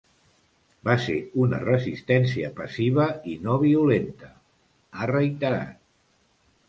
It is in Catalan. Va ser una resistència passiva i no violenta, ha reiterat.